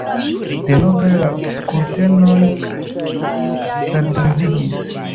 Denove la kurtenoj saltlevigis.